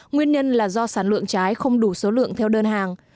nguyên nhân là do sản lượng trái không đủ số lượng theo đơn hàng